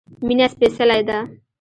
مينه سپيڅلی ده